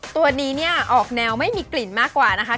ตัวนี้เนี่ยออกแนวไม่มีกลิ่นมากกว่านะคะ